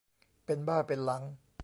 เป็นบ้าเป็นหลัง